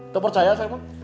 kau percaya saya mau